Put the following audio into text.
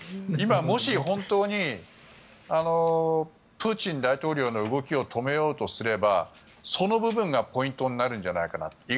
今、もし、本当にプーチン大統領の動きを止めようとすれば、その部分がポイントになるんじゃないかと。